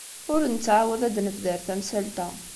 Ur nettɛawad ad d-nebder tamsalt-a.